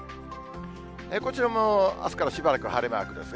こちらもあすからしばらく晴れマークですね。